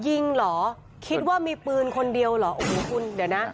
ยิงเหรอคิดว่ามีปืนคนเดียวเหรอโอ้โหคุณเดี๋ยวนะ